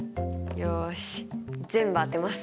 よし全部当てます。